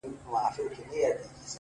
هغې وهلی اووه واري په قرآن هم يم!